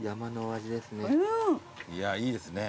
いやいいですね。